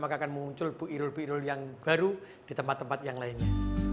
maka akan muncul bu iru yang baru di tempat tempat yang lainnya